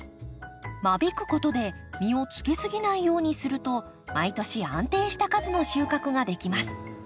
間引くことで実をつけすぎないようにすると毎年安定した数の収穫ができます。